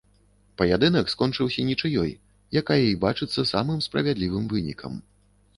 Паядынак скончыўся нічыёй, якая і бачыцца самым справядлівым вынікам.